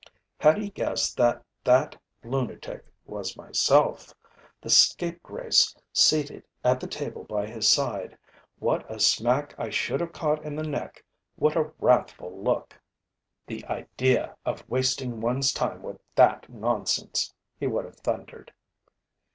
Had he guessed that that lunatic was myself, the scapegrace seated at the table by his side, what a smack I should have caught in the neck, what a wrathful look! "The idea of wasting one's time with that nonsense!" he would have thundered.